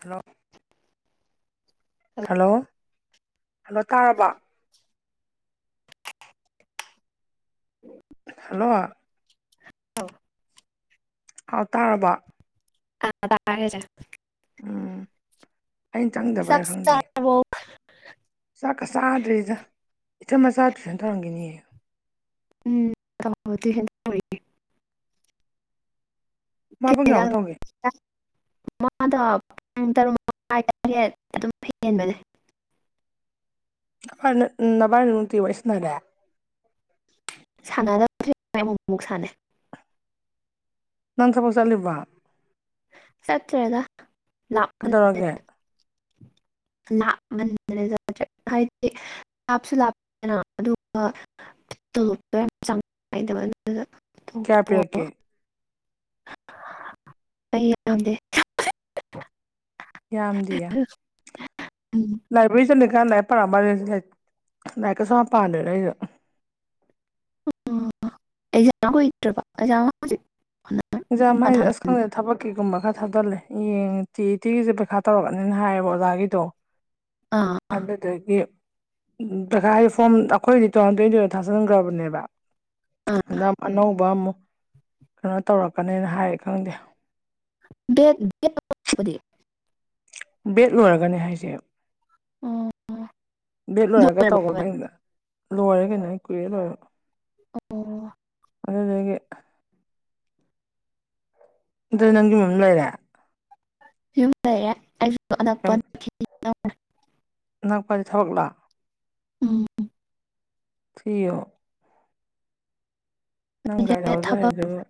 Hello. Hello hello ꯇꯥꯔꯕꯣ꯫ Hello. [unintelligible] ꯍꯥꯎ ꯇꯥꯔꯕꯣ꯫ [unintelligible] ꯎꯝ ꯑꯩꯅ ꯆꯥꯛ ꯆꯪꯗꯕꯩꯔ ꯈꯪꯗꯤꯌꯦ꯫ ꯆꯥꯔꯕꯣ ꯆꯥꯛꯀ ꯆꯥꯗ꯭ꯔꯤꯗ꯫ ꯏꯆꯟ ꯃꯆꯥ ꯇꯨꯏꯁꯟ ꯇꯧꯔꯝꯒꯅꯤꯌꯦ꯫ ꯎꯝ [unintelligible] ꯃꯥ ꯄꯨꯡ ꯀꯌꯥꯃꯨꯛ ꯇꯧꯒꯦ [unintelligible] ꯄꯨꯡ ꯇꯔꯨꯛ ꯃꯈꯥꯏ ꯑꯗꯨꯝ ꯍꯦꯟꯕꯅꯦ ꯅꯕꯅꯤ ꯅꯨꯡꯇꯤ ꯋꯥꯔꯤ ꯁꯅꯔꯦ ꯁꯥꯟꯃ ꯑꯃꯨꯛ ꯁꯅ ꯅꯪ ꯊꯕꯛ ꯆꯠꯂꯤꯕꯔꯥ ꯆꯠꯦꯗ ꯂ ꯀꯩꯗꯧꯔꯒꯦ ꯍꯥꯏꯗꯤ ꯂꯥꯞꯁꯨ ꯂꯥꯞꯄꯅ ꯑꯗꯨꯒ ꯇꯣꯂꯣꯞꯄ ꯌꯥꯝ ꯆ ꯉꯥꯏꯗꯕ ꯑꯗꯨ ꯀꯄꯌꯥ ꯀꯦ ꯁ [unintelligible] ꯌꯥꯝꯗꯤꯌꯦ ꯎꯝ ꯂꯥꯏꯕ꯭ꯔꯦꯔꯤ ꯂꯩꯕꯔꯣ ꯍ ꯄꯔꯝꯕꯅꯤ ꯉꯅꯥ ꯀ ꯁ ꯄꯥꯗꯅ ꯑꯩꯗ ꯎ ꯑꯦꯛꯥ ꯑꯦꯥ ꯏꯟꯖꯥꯡ ꯍꯥꯏꯗꯤꯦ ꯑꯁ ꯈꯪꯗꯗ ꯊꯕꯛꯀꯤ ꯒꯨꯝꯕ ꯈꯔ ꯊꯥꯗꯜꯂꯦ ꯌꯦꯡ ꯇꯤ ꯏ ꯇꯤꯒꯤꯁꯦ ꯄꯩꯈꯥ ꯇꯧꯔꯛꯑꯅꯤꯅ ꯍꯥꯏꯌꯦꯕ ꯑꯣꯖꯥꯒꯤꯗꯣ ꯑꯥ ꯑꯗꯗꯨꯗꯒꯤ ꯄꯩꯥꯏ ꯍꯥꯏ ꯐꯣꯝ ꯑꯩꯈꯣꯏꯗꯤ ꯇꯨꯟ ꯇ꯭ꯋꯦꯟꯇꯤ ꯊꯥꯖꯤꯟꯈ꯭ꯔꯕꯅꯦꯕ ꯑꯥ ꯑꯅꯧꯕ ꯑꯃꯨꯛ ꯀꯩꯅꯣ ꯇꯧꯔꯛ ꯀꯅꯦꯅ ꯍꯥꯏ ꯈꯪꯗꯦ ꯗꯦ ꯕꯦꯠ ꯂꯣꯏꯔꯒꯅꯦ ꯍꯥꯏꯁꯦ ꯎꯝ ꯕꯦꯠ ꯂꯣꯏꯔꯒ ꯇꯧꯕꯗ ꯂꯣꯏꯔꯦ ꯀꯩꯅꯣ ꯀꯨꯏꯔꯦ ꯂꯣꯏꯔ ꯑꯣ ꯑꯗꯨꯗꯒꯤ ꯑꯗꯨꯗ ꯅꯪꯒꯤ ꯃꯝꯂꯏꯔ [inaudible] ꯑꯅꯠꯄ ꯑꯔ ꯅꯅꯥꯪ ꯀꯋꯥ ꯊꯥꯕꯛꯂꯥꯛ ꯎꯝ ꯁꯤꯤꯣ ꯅꯪꯪ ꯑꯩꯁꯦ ꯍꯎꯗ ꯊꯕꯛ ꯍꯥꯏꯅ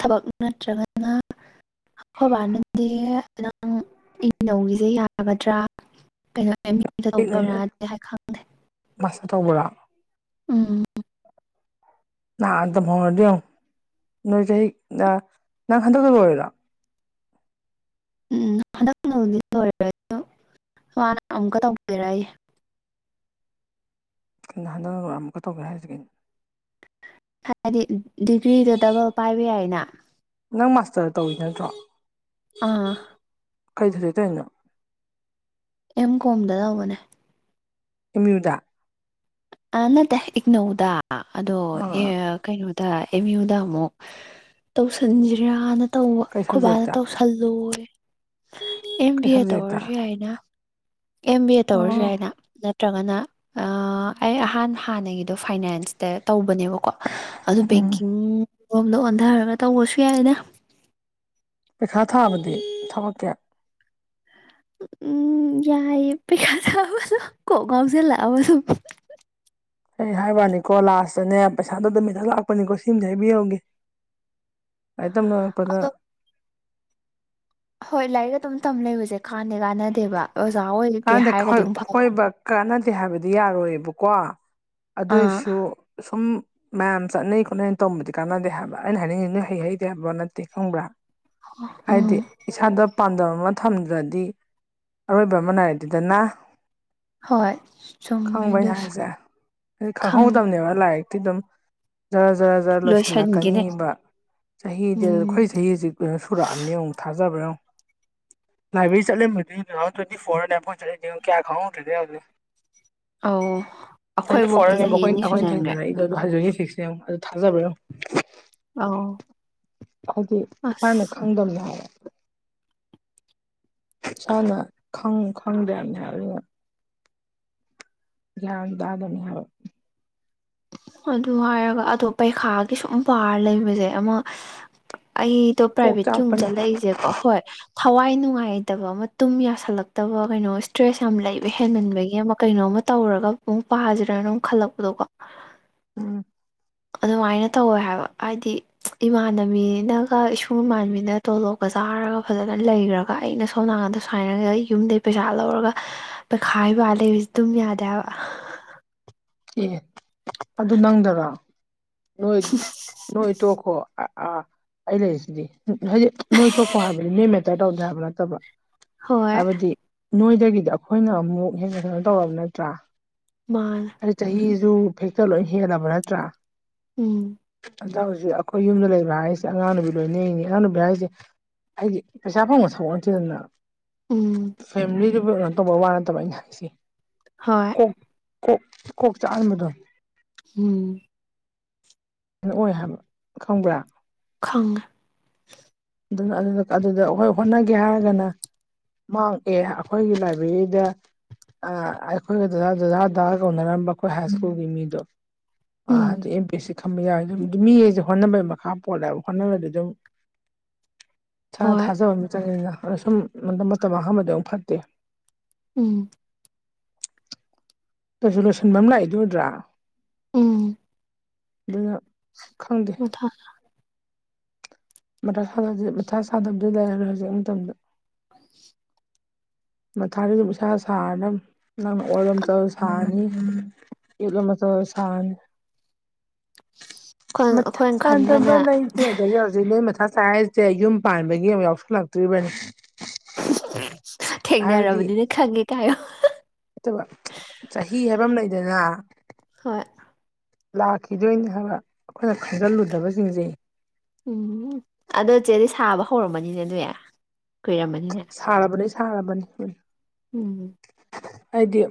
ꯊꯕꯛ ꯅꯠꯇ꯭ꯔꯒꯅ ꯑꯐꯣꯏꯕ ꯍꯅꯗꯤ ꯅ ꯅꯪ ꯑ ꯅꯧꯔꯤꯁꯦ ꯌꯥꯒꯗ꯭ꯔꯥ ꯀꯩꯅꯣ ꯄꯤꯛꯅ ꯇꯧꯕ ꯍꯥꯏ ꯈꯪꯗꯦ ꯃꯥꯁꯇꯔ ꯇꯧꯕꯔꯣ ꯎꯝ ꯅꯥ ꯑꯗꯨꯝ ꯍꯣꯉꯥꯗꯤ ꯌꯣꯡ ꯅꯣꯏ ꯆꯍꯤ ꯅꯥ ꯅꯡ ꯍꯟꯗꯛꯇ ꯂꯣꯏꯔꯦ ꯎꯝ ꯍꯟꯗꯛꯗꯤ ꯂꯣꯏ ꯋꯥꯅ ꯑꯃꯨꯛꯀ ꯇꯧꯕꯤꯔꯛꯏꯦ ꯀꯤꯟ ꯍꯟꯗꯛ ꯂꯣꯏꯔꯥ ꯑꯃꯨꯛꯀ ꯇꯧꯒꯦ ꯍꯥꯏꯁꯤꯀꯤꯟ ꯍꯥꯏꯕꯗꯤ ꯗꯤꯒ꯭ꯔꯤꯗꯣ ꯗꯕꯜ ꯄꯥꯏꯕ ꯌꯥꯏꯅ ꯅꯡ ꯃꯥꯁꯇꯔ ꯇꯧꯔꯤ ꯅꯠꯔꯣ ꯑꯥ ꯀꯩ ꯊꯗꯥꯞ ꯇꯧꯏꯅꯣ ꯑꯦꯝ ꯀꯣꯝꯗ ꯇꯧꯕꯅꯦ ꯏꯃꯤ꯭ꯌꯨꯗꯥ ꯑꯅ ꯇ ꯏꯀꯅꯧꯗ ꯑ ꯑꯗꯣ ꯑꯥ ꯑꯦ ꯀꯩꯅꯣ ꯇꯥꯏ ꯏꯃꯤꯌꯨꯗꯥ ꯑꯃꯨꯛ ꯇꯧꯁꯤꯟꯁꯤ꯭ꯔꯥꯅ ꯇꯧꯕ ꯀꯩ ꯑꯩꯈꯣꯌ ꯕꯅꯥ ꯁꯕꯖꯦꯛꯇ ꯇꯧ ꯁꯜꯂꯣꯌꯦ ꯑꯦꯝ ꯀꯩ ꯕꯤ ꯑꯦ ꯁꯕꯖꯦꯛꯇ ꯇꯧꯔꯁꯨ ꯌꯥꯏꯅ ꯑꯦꯝ ꯕꯤ ꯑꯦ ꯇꯧꯔꯁꯦ ꯑꯣ ꯍꯥꯏꯅ ꯅꯠꯇ꯭ꯔꯒꯅ ꯑꯩ ꯑꯍꯥꯟ ꯍꯥꯟꯅꯒꯤꯗꯣ ꯐꯥꯏꯅꯥꯟꯁꯇ ꯇꯧꯕꯅꯦꯕꯀꯣ ꯀꯣ ꯑꯗꯨ ꯎꯝ ꯕꯦꯡꯀꯤꯡ ꯔꯣꯝꯗ ꯑꯣꯟꯊꯔꯒ ꯇꯧꯕꯁꯨ ꯌꯥꯏꯅꯦ ꯄꯩꯈꯥ ꯊꯥꯑꯕꯗꯤ ꯊꯕꯛ ꯀꯌꯥ ꯎꯝ ꯌꯥꯏ ꯄꯩ ꯈꯥꯊꯕꯥꯗꯣ ꯀꯣꯀꯉꯥꯎꯖꯤꯂꯛ ꯑꯕꯥ ꯁꯨꯝ ꯑꯩ ꯍꯥꯏꯕꯅꯤꯀꯣ ꯂꯥꯁꯇꯅꯦ ꯄꯩꯁꯥꯗꯣ ꯑꯗꯨꯝ ꯃꯤꯊꯪ ꯂꯥꯛꯄꯅꯤꯀꯣ ꯁꯤꯃꯁ ꯍꯥꯏꯕꯤꯔꯎꯒꯦ ꯑꯩ ꯇꯝ ꯅꯨꯡꯉꯛꯄꯗ ꯑꯗꯣ ꯍꯣꯏ ꯂꯥꯏꯔꯤꯛ ꯑꯗꯨꯝ ꯇꯝ ꯂꯩꯕꯁꯦ ꯀꯥꯟꯅꯩ ꯀꯥꯟꯅꯗꯦꯕ ꯑꯣꯖꯥ ꯑꯣꯏꯒꯦ ꯀꯥꯟꯅꯗꯦ ꯍꯥꯏꯔꯒꯗꯤ ꯑꯃꯨꯛ ꯐꯕ ꯍꯣꯏꯕ ꯀꯥꯟꯅꯗꯦ ꯍꯥꯏꯕꯗꯤ ꯗꯤ ꯌꯥꯔꯣꯏꯌꯦꯕꯀꯣ ꯑꯥ ꯑꯗꯨꯏꯁꯨ ꯁꯨꯝ ꯃꯌꯥꯝ ꯆꯠꯅꯩ ꯈꯣꯠꯅꯩ ꯇꯝꯕꯗꯤ ꯀꯥꯟꯅꯗꯦ ꯍꯥꯏꯕ ꯑꯩꯅ ꯍꯥꯏꯅꯤꯡꯉꯤ ꯅꯣꯏ ꯍꯩ ꯍꯩꯇꯦ ꯍꯥꯏꯕ ꯅꯠꯇꯦ ꯈꯪꯕ꯭ꯔꯥ ꯍꯥꯏꯗꯤ ꯎꯝ ꯏꯁꯥꯗ ꯄꯥꯟꯗꯝ ꯑꯃ ꯊꯝꯗ꯭ꯔꯗꯤ ꯑꯔꯣꯏꯕ ꯃꯃꯅ ꯍꯥꯏ ꯑꯗꯨꯗꯅ ꯍꯣꯏ ꯆꯨꯝꯃꯦ ꯈꯡꯕꯔꯥ ꯑꯩꯅꯥ ꯑꯗꯨꯁꯨ ꯍꯥꯏꯁꯦ ꯍꯥꯏ ꯈꯪ ꯈꯡꯍꯧꯗꯕꯅꯦꯕ ꯂꯥꯏꯔꯤꯛ ꯊ ꯑꯗꯨꯝ ꯖꯔ ꯖꯔ ꯖꯔ ꯂꯣꯏꯁꯤꯟꯒꯦꯅꯦ ꯂꯣꯏꯁꯤꯜꯂꯛꯀꯅꯤꯕ ꯆꯍꯤꯗꯤꯜ ꯎꯝ ꯑꯩꯈꯣꯏ ꯆꯍꯤꯁꯤ ꯀꯨꯏꯔꯥ ꯁꯨꯔꯛꯑꯝꯅꯤ ꯌꯪꯡ ꯊꯥꯖꯕꯔꯥ ꯌꯪꯡ ꯂꯥꯏꯕꯦꯔꯤ ꯆꯠꯂꯑꯃꯕꯅꯥ ꯀꯩꯅꯣ ꯇꯧꯏ ꯐꯣꯔꯥꯏꯝ ꯆ ꯀꯌꯥ ꯈꯪꯉꯔꯦ ꯑꯗꯨꯦ ꯑꯧ ꯍꯥꯏꯗꯤ ꯑꯩꯈꯣꯏꯕꯣꯛꯇ ꯐꯣꯔꯕ ꯆꯍꯤ ꯑꯩꯈꯣꯏ ꯑꯅꯤ ꯑꯩꯈꯣꯏꯅ ꯁꯨꯖꯟꯈ꯭ꯔꯦ ꯊꯦꯡꯅꯔꯛꯏꯗ ꯍꯧꯖꯤꯛ ꯊꯤꯁꯦꯝ ꯑꯗꯨ ꯊꯥꯖꯕ꯭ꯔ ꯌꯦꯡꯎ꯫ ꯑꯎ ꯍꯧꯖꯤꯛ ꯏꯁꯥꯅ ꯈꯪꯗꯝꯅꯤ ꯍꯥꯏꯕ꯫ ꯏꯁꯥꯅ ꯈꯪ ꯈꯪꯗꯦ ꯍꯥꯕꯅꯤ ꯍꯥꯏꯕ ꯗꯨꯒ ꯒ꯭ꯌꯥꯟ ꯇꯗꯕꯅꯤ ꯍꯥꯏꯕ꯫ ꯑꯗꯨ ꯍꯥꯏꯔꯒ ꯑꯗꫭ ꯄꯩꯈꯥꯒꯤ ꯁꯨꯝ ꯄꯥꯔ ꯂꯩꯕꯁꯦ ꯑꯃ ꯑꯩꯗꯣ ꯀꯣꯛ ꯄ꯭ꯔꯥꯏꯚꯦꯠꯀꯤ ꯑꯃꯨꯛ ꯆꯥꯛꯄꯅꯦ ꯆꯠꯂꯛꯏꯁꯦ ꯀꯣ ꯍꯣꯏ ꯊꯋꯥꯏ ꯅꯨꯡꯉꯥꯏ ꯍꯩꯇꯕ ꯑꯃ ꯇꯨꯝ ꯌꯥꯁꯜꯂꯛꯇꯕ ꯀꯩꯅꯣ ꯁ꯭ꯇ꯭ꯔꯦꯁ ꯌꯥꯝ ꯂꯩꯕ ꯍꯦꯟꯃꯟꯕꯒꯤ ꯑꯃ ꯀꯩꯅꯣꯝ ꯇꯧꯔꯒ ꯑꯃꯨꯛ ꯄꯥꯁꯤꯔꯅ ꯑꯃꯨꯛ ꯈꯜꯂꯛꯄꯗꯣꯀꯣ ꯎꯝ ꯑꯗꯨꯃꯥꯏꯅ ꯇꯧꯋꯦ ꯍꯥꯏꯕ ꯍꯥꯏꯗꯤ ꯏꯃꯥꯟꯅꯕꯤꯅꯒ ꯏꯁꯨꯡ ꯏꯃꯥꯟꯅꯕꯤꯅꯒ ꯇꯣꯂꯣꯞꯀ ꯆꯥꯔꯒ ꯐꯖꯅ ꯂꯩꯈ꯭ꯔꯒ ꯑꯩꯅ ꯁꯣꯝ ꯅꯥꯀꯟꯗ ꯁꯨꯃꯥꯏꯅꯒ ꯌꯨꯝꯗꯒꯤ ꯄꯩꯁꯥ ꯂꯧꯔꯒ ꯄꯩꯈꯥꯏꯕ ꯂꯩꯕꯁꯤ ꯇꯨꯝ ꯌꯥꯗꯦ ꯍꯥꯏꯕ꯫ ꯑꯦ ꯑꯗꯨ ꯅꯪꯗꯔꯥ꯫ ꯅꯣꯏ ꯅꯣꯏ ꯇꯣꯛꯈꯣ ꯑꯥ ꯑꯩ ꯂꯩꯔꯤꯁꯤꯗꯤ ꯍꯧꯖꯤꯛ ꯅꯣꯏ ꯇꫭꯛꯈꫭ ꯍꯥꯏꯕ ꯅꯦꯃꯦ ꯇ ꯇꯧꯗꯦ ꯍꯥꯏꯕ ꯅꯠꯇꯕ ꯍꯣꯏ꯫ ꯍꯥꯏꯕꯗꯤ ꯅꯣꯏꯗꯒꯤꯗꯤ ꯑꯩꯈꯣꯏꯅ ꯑꯃꯨꯛ ꯍꯦꯟꯅ ꯀꯩꯅꯣ ꯇꯧꯔꯕ ꯅꯠꯇ꯭ꯔꯥ꯫ ꯃꯥꯅꯦ ꯑꯗꫭ ꯆꯍꯤ ꯁꯨꯨ ꯐꯦꯛꯇ ꯂꯣꯏꯅ ꯍꯦꯜꯕ ꯅꯠꯇ꯭ꯔꯥ꯫ ꯎꯝ ꯑꯗ ꯍꯧꯖꯤꯛ ꯑꯩꯈꯣꯏ ꯌꯨꯝꯗ ꯂꯩꯕ ꯍꯥꯏꯔꯤꯁꯦ ꯑꯉꯥꯡꯅꯕꯤ ꯂꯣꯏꯅꯔꯤꯅꯤ ꯑꯉꯥꯡꯅ ꯅꯨꯕꯤ ꯍꯥꯏꯁꯦ ꯑꯩꯗꯤ ꯄꯩꯁꯥ ꯐꯪꯕ ꯊꯕꯛ ꯅꯠꯇꯦꯗꯅ ꯎꯝ ꯐꯦꯃꯤꯂꯤ ꯗꯨ ꯕ ꯀꯩꯅꫭ ꯇꯧꯕ ꯋꯥ ꯅꯠꯇꯕ ꯑꯩꯅ ꯍꯥꯏꯁꯦ ꯍꯣꯏ꯫ ꯀꯣꯛ ꯀꯣꯛ ꯀꯣꯛ ꯆꯥꯛꯍꯟꯕꯗꯣ꯫ ꯎꯝ ꯅꯛꯑꯣꯏ ꯍꯥꯏꯕ ꯈꯪꯕ꯭ꯔꯥ ꯈꯪꯑꯦ꯫ ꯑꯗꯨꯅ ꯑꯗꯨꯅ ꯑꯗꯨꯗ ꯑꯩꯈꯣꯏ ꯍꯣꯠꯅꯒꯦ ꯍꯥꯏꯔꯒꯅ ꯃꯥꯡꯑꯦ ꯑꯩꯈꯣꯏꯒꯤ ꯂꯥꯏꯕ꯭ꯔꯔꯤꯗ ꯑꯩꯈꯣꯏꯒ ꯗꯗꯥ ꯗꯗꯥ ꯗꯥ ꯀꯧꯅꯔꯝꯕ ꯑꯈꯣꯏ ꯍꯥꯏ ꯁ꯭ꯀꯨꯜꯒꯤ ꯃꯤꯗꯣ꯫ ꯑꯥ ꯎꯝ ꯍꯟꯗꫭ ꯑꯦꯝꯄꯤꯁꯤ ꯈꯝꯕ ꯌꯥꯎꯋꯦꯗꫭ ꯑꯗꯨꯝ ꯃꯤ ꯑꯩꯁꯦ ꯍꯣꯠꯅꯕꯒꯤ ꯃꯈꯥ ꯄꯣꯠꯂꯦꯕ ꯍꯣꯠꯅꯕꯗ ꯑꯗꯨꯝ ꯊꯥ ꯍꯣꯏ ꯊꯥꯖꯕ ꯃ ꯆꯪꯑꯦꯗ꯫ ꯑꯗ ꯁꯨꯝ ꯃꯇꯝ-ꯃꯇꯝ ꯃꯥꯡꯍꯟꯕꯗꫭ ꯑꯎꯝ ꯐꯠꯇꯦ꯫ ꯎꯝ ꯗꫭꯏꯁꯨ ꯂꯣꯁꯤꯟꯕꯦꯝ ꯂꯥꯛꯏꯗꫭ ꯎꯗ꯭ꯔꯥ꯫ ꯎꯝ ꯗꯨꯅ ꯃꯊꯥꯁꯥ ꯃꯊ ꯃꯊꯥ ꯁꯥꯗꯕꯗꯤ ꯂꯩꯔꯔꯦ ꯍꯧꯖꯤꯛ ꯃꯇꯝꯗ ꯎꯝ ꯃꯊꯥꯗꯤ ꯑꯗꯨꯝ ꯏꯁꯥ ꯁꯥꯔꯅ ꯅꯪꯅ ꯑꯣꯜꯂꯣꯝ ꯃꯇꯝ ꯁꯥꯅꯤ ꯌꯦꯠꯂꯣꯝꯕ ꯃꯇꯝ ꯁꯥꯅꯤ ꯃꯊꯥ ꯑꯩꯈꯣꯏꯅ ꯁꯥꯟꯗꯕ ꯈꯟꯕꯅ ꯂꯩ ꯏꯗꯤ ꯍꯥꯏꯖ ꯍꯧꯖꯤ ꯃꯊꯥ ꯁꯥꯏꯖꯁꯦ ꯌꯨꯝ ꯄꯥꯟꯕꯒꯤ ꯑꯃꯨꯛ ꯌꯥꯎꯁꯜꯂꯛꯇꯣꯔꯤꯕꯅꯤ [inaudible] ꯍꯥꯏꯕꯗꯤ ꯊꯦꯡꯅꯔꯕꯅꯤꯅ ꯈꯪꯉꯦ ꯀꯥꯏꯌꯣ ꯑꯗꯨꯅ ꯍꯣꯏ ꯂꯥꯛꯈꯤꯗꯣꯏꯅꯤ ꯍꯥꯏꯕ ꯑꯩꯈꯣꯏꯅ ꯈꯟꯖꯤꯜꯂꯨꯗꯕꯁꯤꯡꯁꯦ ꯎꯝ ꯑꯗꯣ ꯏꯆꯦꯗꯤ ꯁꯥꯕ ꯍꯧꯔꯝꯃꯅꯤꯅꯦ ꯑꯗꯨ ꯀꯣꯏꯔꯝꯕꯅꯤꯅꯦ ꯊꯕꯟ ꯎꯝ ꯍꯥꯏꯗꯤ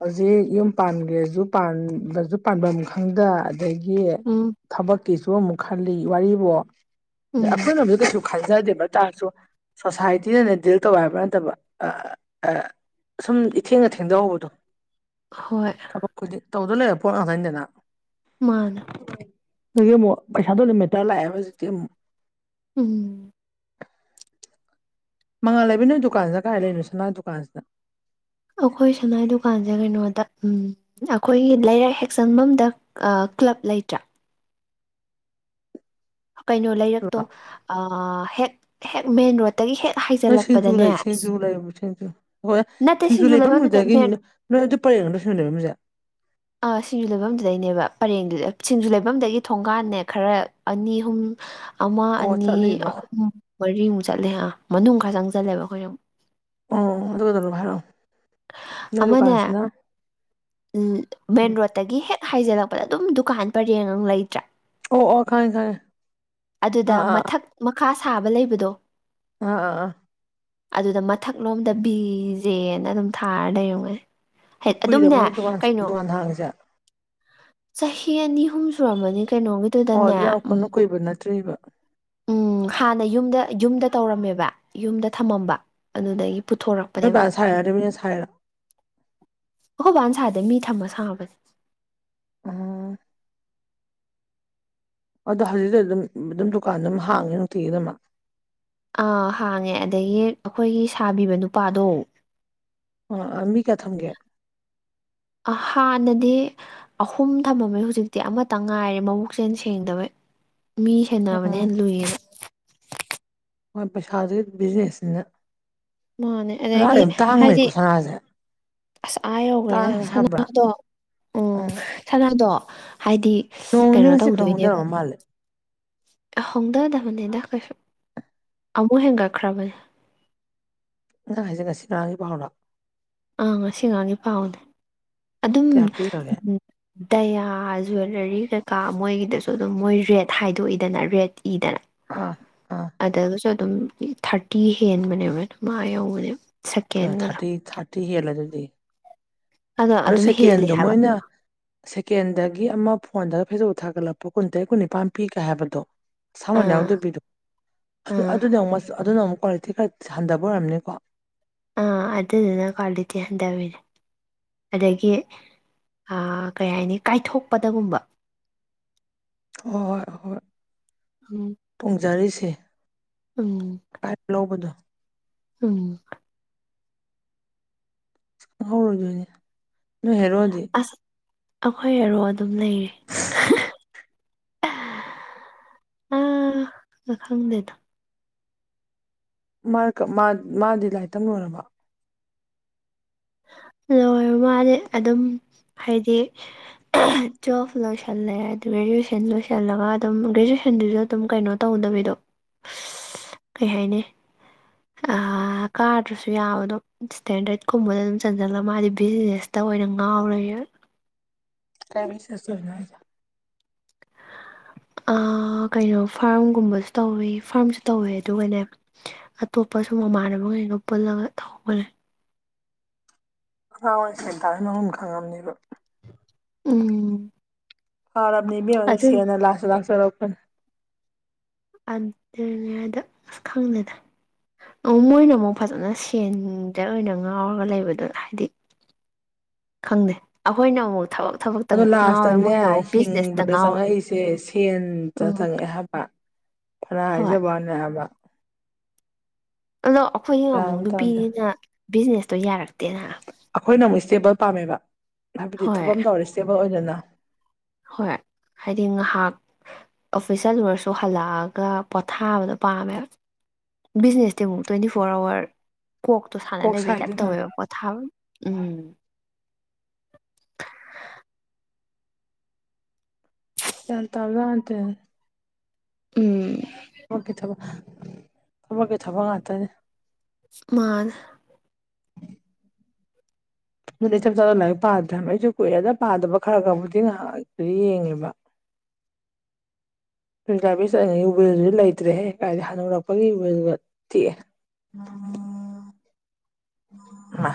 ꯍꯧꯖꯤꯛ ꯌꯨꯝ ꯄꯥꯟꯈ꯭ꯔꯦꯁꯨ ꯄꯥꯟꯕꯁꯨ ꯄ ꯈꯪꯗ ꯑꯗꯒꯤ ꯎꯝ ꯊꯕꯛ ꯀꯁꯨ ꯑꯃꯨꯛ ꯈꯜꯂꯤ ꯋꯥꯔꯤꯔꯤꯕꯣ ꯑꯁꯣꯏ ꯎꯝ ꯅ ꯀꯩꯁꯨ ꯈꯟꯖꯗꯦꯕ ꯇꯥꯔꯁꯨ ꯁꯣꯁꯥꯏꯇꯤꯅꯅꯦ ꯗꯤꯜ ꯇꯧꯦ ꯍꯥꯏꯕ ꯅꯠꯇꯕ ꯁꯁꯨꯝ ꯏꯊꯦꯡꯅ ꯊꯦꯡꯖꯍꯧꯕꯗꯣ ꯍꯣꯏ ꯇꯕꯛ ꯈꯨꯗꯤ ꯇꯧꯗ ꯂꯩꯕ ꯄꯣꯠ ꯉꯥꯛꯇꯅꯤꯗꯅ ꯃꯥꯅꯦ ꯑꯗꯨꯗꯒꯤ ꯑꯃꯨꯛ ꯄꯩꯁꯥꯗꯣ ꯑꯗꯨꯃꯦꯇꯔ ꯂꯥꯛꯑꯦꯕ ꯍꯧꯖꯤꯛꯇꯤ ꯑꯃꯨꯛ ꯎꯝ ꯃꯉꯥ ꯂꯩꯕ ꯅꯣꯏ ꯗꯨꯀꯥꯟꯁꯤꯗ ꯀꯥꯏ ꯂꯩꯔꯤꯅꯣ ꯁꯅꯥ ꯗꯨꯀꯥꯟꯁꯤꯗ ꯑꯩꯈꯣꯏ ꯁꯉꯥꯏ ꯗꯨꯀꯥꯟꯁꯦ ꯀꯩꯅꯣꯗ ꯎ ꯑꯩꯈꯣꯏꯒꯤ ꯂꯩꯔꯛ ꯍꯦꯛꯆꯪꯕꯗ ꯀ꯭ꯂꯕ ꯂꯩꯇ꯭ꯔꯥ ꯀꯩꯅꯣ ꯂꯩꯔꯛꯇꯣ ꯍꯦꯛ ꯃꯟ ꯔꯣꯗ ꯇꯒꯤ ꯍꯦꯛ ꯅꯣꯏ ꯁꯤꯡꯖꯨ ꯍꯥꯏꯖꯤꯜꯂꯛꯄꯗꯅꯦ ꯂꯩ ꯁꯤꯡꯖꯨ ꯂꯩꯕ ꯁꯤꯡꯖꯨ ꯍꯣꯏ ꯅꯠꯇꯦ ꯁꯤꯡꯖꯨ ꯂꯩꯐꯝ ꯅꯠꯇꯦ ꯂꯩꯐꯝꯗꯨꯗꯒꯤ ꯃꯦꯟ ꯅꯣꯏ ꯑꯗꯨ ꯄꯔꯦꯡꯗ ꯁꯁꯤꯡ ꯂꯩꯕ ꯃꯤꯁꯦ ꯁꯤꯡꯖꯨ ꯂꯩꯐꯝꯗꯨꯗꯩꯅꯦꯕ ꯄꯔꯦꯡꯗꯨꯗ ꯁꯤꯡꯖꯨ ꯂꯩꯐꯝꯗꯒꯤ ꯊꯣꯡꯒꯥꯟꯅꯦ ꯈꯔ ꯑꯅꯤ ꯑꯍꯨꯝ ꯑꯃ ꯑꯣ ꯑꯅꯤ ꯆꯠꯂꯤꯕ ꯑꯍꯨꯝ ꯃꯔꯤꯃꯨꯛ ꯆꯠꯂꯦ ꯑ ꯃꯅꯨꯡ ꯈꯔ ꯆꯪꯁꯜꯂꯦꯕ ꯑꯩꯈꯣꯏ ꯁ ꯑꯣ ꯑꯗꯨ ꯀꯗ ꯍꯥꯏꯥꯏꯔꯣ ꯑꯃꯅꯦ ꯃꯦꯟ ꯔꯣꯠꯇꯒꯤ ꯍꯦꯛ ꯍꯥꯏꯖꯜꯂꯛꯄꯗ ꯑꯗꯨꯝ ꯗꯨꯀꯥꯟ ꯄꯔꯦꯡꯉꯪ ꯂꯩꯇ꯭ꯔꯥ ꯑꯣ ꯑꯣ ꯈꯥꯏꯌꯦ ꯈꯌꯦ ꯑꯗꯨꯗ ꯃꯊꯛ ꯃꯈꯥ ꯁꯥꯕ ꯂꯩꯕꯗꯣ ꯑꯥ ꯑꯗꯨꯗ ꯃꯊꯛꯂꯣꯝꯗ ꯕꯤꯖꯦꯅ ꯑꯗꯨꯝ ꯊꯥꯔ ꯂꯩꯔꯝꯒꯅꯤ ꯍꯥꯏ ꯀꯨꯏꯔꯕ ꯑꯗꯨꯝꯅꯦ ꯅꯣꯏ ꯗꯨꯀꯥꯟ ꯗꯨꯀꯥꯟ ꯊꯥꯡꯉꯁꯦ ꯆꯍꯤꯍꯤ ꯑꯅꯤ ꯑꯍꯨꯝ ꯁꯨꯔꯝꯃꯅꯤ ꯑꯣ ꯀꯩꯅꯣꯒꯤꯗꯨꯗꯅꯦ ꯑꯗꯨ ꯌꯥꯝ ꯎꯝ ꯀꯟꯅ ꯀꯨꯏꯕ ꯅꯠꯇ꯭ꯔꯤꯕ ꯎꯝ ꯍꯥꯟꯅ ꯌꯨꯝꯗ ꯌꯨꯝꯗ ꯇꯧꯔꯝꯃꯦꯕ ꯌꯨꯝꯗ ꯊꯝꯃꯝꯕ ꯑꯗꯨꯗꯒꯤ ꯅꯣꯏ ꯄꯨꯊꯣꯔꯛꯄꯅꯦꯕ ꯕꯥꯅ ꯁꯥꯔꯤꯔꯣ ꯅꯠꯇꯔꯒꯥ ꯃꯤꯅꯥ ꯁꯥꯏꯔꯣ ꯑꯩ ꯁꯥꯗꯦ ꯃꯤ ꯊꯝꯃ ꯁꯥꯥꯡꯕꯅꯦ ꯑ ꯑꯗꯣ ꯍꯧꯖꯤꯛꯇꯤ ꯑꯗꯨꯝ ꯑꯗꯨꯝ ꯗꯨꯀꯥꯟ ꯑꯗꯨꯝ ꯍꯥꯡꯉꯦ ꯅꯨꯡꯇꯤꯒꯤꯗꯃꯛ ꯑꯥ ꯍꯥꯡꯉꯦ ꯑꯗꯒꯤ ꯑꯩꯈꯣꯏꯒꯤ ꯁꯥꯕꯤꯕ ꯅꯨꯄꯥꯗꯣ ꯑ ꯃꯤ ꯀꯌꯥ ꯊꯝꯒꯦ ꯍꯥꯟꯅꯗꯤ ꯑꯍꯨꯝ ꯊꯝꯃꯝꯃꯦ ꯍꯧꯖꯤꯛꯇꯤ ꯑꯃꯇ ꯉꯥꯏꯔꯦ ꯃꯕꯨꯛꯁꯦꯜ ꯁꯦꯡꯗꯕꯩ ꯃꯤ ꯁꯦꯟꯅꯕꯅꯥ ꯎꯝ ꯂꯨꯏꯌꯦꯕ ꯍꯣꯏ ꯄꯩꯁꯥꯗꯨ ꯕꯤꯖꯤꯅꯦꯁꯁꯤꯅ ꯃꯥꯅꯦ ꯑꯗꯒꯤ ꯁꯅꯥꯁꯦ ꯇꯥꯡ ꯍꯥꯏꯗꯤ ꯂꯩꯀꯣ ꯁꯅꯥꯁꯦ ꯑꯁ ꯑꯥ ꯌꯧꯈꯦꯗ ꯇꯥꯡꯉꯦ ꯍꯥꯏꯕ꯭ꯔꯥ ꯁꯅꯥꯗꯣ ꯎꯝ ꯁꯥꯅꯥ ꯑꯗꯣ ꯍꯥꯏꯗꯤ ꯅꯣꯡꯅꯤ ꯀꯩꯅꯣ ꯉꯁꯤ ꯈꯔ ꯇꯧꯗꯣꯏꯅꯦꯕ ꯍꯣꯡꯊꯔꯕ ꯃꯥꯜꯂꯦ ꯑ ꯍꯣꯡꯗꯗꯕꯅꯤꯗ ꯀꯩꯁꯨ ꯑꯃꯨꯛ ꯍꯦꯟꯒꯠꯈ꯭ꯔꯕꯅꯦ ꯅꯪ ꯍꯥꯏꯖꯤ ꯉꯁꯤ ꯉꯔꯥꯡꯒꯤ ꯄꯥꯎꯅ ꯑꯥ ꯉꯁꯤ ꯉꯥꯒꯤ ꯄꯥꯎꯅꯦ ꯑꯗꯨꯝ ꯀꯌꯥ ꯄꯤꯈ꯭ꯔꯒꯦ ꯗꯌꯥꯁꯨ ꯑꯣꯏ ꯀꯂꯔꯤ ꯀꯩꯀꯥ ꯃꯣꯏꯒꯤꯗꯁꯨ ꯑꯗꯨꯝ ꯃꯣꯏ ꯔꯦꯠ ꯍꯥꯏꯗꯣꯛꯏꯗꯅ ꯔꯦꯠ ꯏꯗꯅ ꯑꯥ ꯑꯥ ꯑ ꯆ ꯑꯗꯨꯝ ꯊꯥꯔꯇꯤ ꯍꯦꯟꯕꯅꯦꯕ ꯃꯥ ꯌꯧꯕꯅꯦ ꯑ ꯊꯥꯔꯇꯤ ꯊꯥꯔꯇꯤ ꯍꯦꯜꯂ ꯑꯗꯨꯗꯤ ꯑꯗꯣ ꯑꯗꯨ ꯑꯗꯨꯝ ꯍꯦꯜꯂꯤ ꯁꯦꯀꯦꯟꯗꯣ ꯍꯥꯏꯕ ꯃꯣꯏꯅ ꯁꯦꯀꯦꯟꯗꯒꯤ ꯑꯃ ꯐꯣꯟꯗ ꯐꯦꯁꯕꯨꯛ ꯊꯒꯠꯂꯛꯄ ꯀꯨꯟ ꯇꯥꯔꯦꯠ ꯀꯨꯟ ꯅꯤꯄꯥꯟ ꯄꯤꯒꯔ꯭ꯦ ꯍꯥꯏꯕꯗꯣ ꯁꯃꯟ ꯑꯥ ꯌꯥꯎꯗꯕꯤꯗꯣ ꯑꯥ ꯑꯗꯨ ꯑꯃꯨꯛ ꯑꯗꯨꯅ ꯑꯃꯨꯛ ꯀ꯭ꯋꯥꯂꯤꯇꯤ ꯈꯔ ꯍꯟꯊꯕ ꯑꯣꯏꯔꯝꯅꯤꯀꯣ ꯑꯥ ꯑꯗꯨꯗꯨꯅ ꯀ꯭ꯋꯥꯂꯤꯇꯤ ꯍꯟꯊꯕꯤꯅꯦ ꯑꯗꯒꯤ ꯀꯩ ꯍꯥꯏꯅꯤ ꯀꯥꯏꯊꯣꯛꯄꯗꯒꯨꯝꯕ ꯍꯣꯏ ꯍꯣꯏ ꯎꯝ ꯄꯣꯡꯖꯔꯤꯁꯦ ꯎꯝ ꯂꯧꯕꯗꯣ [inaudible] ꯎꯝ ꯪ ꯍꯧꯔꯣꯏꯗꯣꯏꯅꯦ ꯍꯦꯔꯣꯗꯤ ꯑꯩꯈꯣꯏꯔꯣ ꯑꯗꯨꯝ ꯂꯩꯔꯦ ꯑ ꯑ ꯈꯪꯗꯦꯗ ꯃꯥꯗꯤ ꯂꯥꯏꯔꯤ ꯇꯝ ꯂꯣꯏꯔꯕ ꯂꯣꯏ ꯃꯥꯗꯤ ꯑꯗꯨꯝ ꯍꯥꯏꯗꯤ ꯇ꯭ꯋꯦꯜꯐ ꯂꯣꯏꯁꯜꯂꯦ ꯑꯗꯨ ꯒ꯭ꯔꯦꯖꯨꯋꯦꯁꯟ ꯂꯣꯏꯁꯤꯜꯂꯒ ꯑꯗꯨꯝ ꯒ꯭ꯔꯦꯖꯨꯋꯦꯁꯟꯗꯨꯁꯨ ꯑꯗꯨꯝ ꯀꯩꯅꯣ ꯇꯧꯗꯕꯤꯗꯣ ꯀꯩ ꯍꯥꯏꯅꯤ ꯀꯥꯗ꯭ꯔꯁꯨ ꯌꯥꯕꯗꯝ ꯏꯁꯇꯦꯟꯗꯔꯠꯀꯨꯝꯕꯗ ꯑꯗꯨꯝ ꯆꯟꯁꯤꯜꯂꯒ ꯃꯥꯗꯤ ꯕꯤꯖꯤꯅꯦꯁꯇ ꯑꯣꯏꯅ ꯉꯥꯎꯔ ꯀꯥꯏꯕꯤꯁꯦ ꯁꯨ ꯀꯩꯅꯣ ꯐꯥꯔꯝꯒꯨꯝꯕꯁꯨ ꯇꯧꯋꯤ ꯐꯥꯔꯝꯁꯨ ꯇꯧꯋꯦ ꯑꯗꯨꯒꯅꯦ ꯑꯇꯣꯞꯄ ꯁꯨꯝ ꯃꯃꯥꯟꯅꯕꯈꯩꯒ ꯄꯨꯜꯂꯒ ꯇꯧꯕꯅꯦ ꯍꯔꯋꯥꯏꯁꯦ ꯇ ꯃꯨꯝ ꯈꯪꯉꯝꯅꯦꯕ ꯎꯝ ꯐꯥꯎꯔꯕꯅꯤ ꯃꯤ ꯑꯣꯏꯅ ꯑꯗꯨ ꯁꯦꯅ ꯂꯥꯛꯆ ꯂꯥꯛꯆꯔꯛ ꯑ ꯑꯗꯨꯅꯦ ꯍꯥꯏꯗ ꯑꯁ ꯈꯪꯗꯦꯗ ꯃꯣꯏꯅ ꯑꯃꯨꯛ ꯐꯖꯅ ꯁꯦꯟꯗ ꯑꯣꯏꯅ ꯉꯥꯎꯔꯒ ꯂꯩꯕꯗꯨꯣ ꯍꯥꯏꯗꯤ ꯈꯪꯗꯦ ꯑꯩꯈꯣꯏꯅ ꯑꯃꯨꯛ ꯊꯕꯛ ꯊꯕꯛꯇ ꯑꯗ ꯉꯥꯎꯋꯦ ꯂꯥꯁꯇꯪꯅꯦ ꯃꯣꯏꯅ ꯑꯃꯨꯛ ꯕꯤꯖꯤꯅꯦꯁꯇ ꯍꯤꯡꯕꯗ ꯉꯥꯎꯔꯦ ꯆꯪꯉꯛꯏꯁꯦ ꯁꯦꯟꯗ ꯎꯝ ꯆꯪꯉꯛꯑꯦ ꯍꯥꯏꯕ ꯐꯅ ꯍꯣꯏ ꯍꯥꯏꯖꯕꯅꯦꯕ ꯑꯜꯂꯣ ꯑꯩꯈꯣꯏꯅ ꯒ꯭ꯌꯥꯟ ꯑꯃꯨꯛ ꯑꯃ ꯇꯥꯗꯦ ꯅꯨꯄꯤꯅꯤꯅ ꯕꯤꯖꯤꯅꯦꯁꯇꯣ ꯌꯥꯔꯦ ꯑꯩꯈꯣꯏꯅ ꯃꯨꯦꯕ ꯎꯄꯥꯝꯕ ꯍꯥꯏꯕꯗꯤ ꯍꯣꯏ ꯊꯕꯝ ꯇꯧꯔꯤꯦ ꯏꯁꯇꯦꯕꯜ ꯑꯣꯏꯅꯅ ꯍꯣꯏ ꯍꯥꯏꯗꯤ ꯉꯥꯏꯍꯥꯛ ꯑꯣꯐꯤꯁꯦꯜꯋꯔꯁꯨ ꯍꯜꯂꯛꯑꯒ ꯄꯣꯊꯥꯕꯗꯣ ꯄꯥꯝꯃꯦꯕ ꯕꯤꯖꯤꯅꯦꯁꯇꯤ ꯑꯃꯨꯛ ꯇ꯭ꯋꯦꯟꯇꯤ ꯐꯣꯔ ꯑꯋꯥꯔ ꯀꯣꯛꯇꯣ ꯁꯥꯟꯅ ꯀꯣꯛ ꯂꯩꯕꯒꯤ ꯇꯥꯏꯞ ꯁꯥꯏꯗꯅ ꯇꯧꯋꯦꯕ ꯄꯣꯊꯥꯕ ꯎꯝ ꯍꯦꯜ ꯇꯥꯕꯗꯇꯦ ꯎꯝ ꯑꯣꯀꯦ ꯊꯕ ꯊꯕꯀꯤꯩ ꯊꯕ ꯉꯥꯛꯇꯅꯦ ꯃꯥꯔ ꯑꯗꯨꯗꯤ ꯏꯆꯝ ꯆꯥꯅ ꯂꯥꯏꯔꯤꯛ ꯄꯥꯗ꯭ꯔꯦ ꯑꯩꯁꯨ ꯀꯨꯏꯑꯦꯗ ꯄꯥꯗꯕ ꯈꯔꯒꯕꯨꯗꯤ ꯉꯥꯏꯍꯥꯛ ꯌꯦꯡꯉꯦꯕ ꯀꯥꯏ ꯄ ꯆꯠꯉꯩꯕꯦꯜꯁꯨ ꯂꯩꯇ꯭ꯔꯦꯍꯦꯛ ꯀꯥꯏꯗꯤ ꯍꯗꯣꯔꯛꯄꯒꯤꯕꯦꯜꯗꯨꯒ ꯇꯤꯑꯦ ꯑ